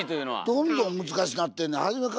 どんどん難しなってんねん。